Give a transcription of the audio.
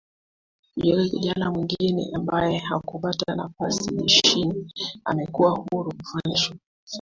Yule kijana mwingine ambaye hakupata nafasi jeshini amekuwa huru kufanya shughuli zake